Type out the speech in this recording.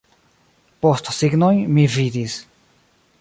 Postsignojn mi vidis.